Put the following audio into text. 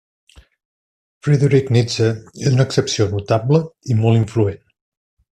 Friedrich Nietzsche és una excepció notable i molt influent.